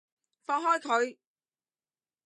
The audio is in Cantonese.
放開佢！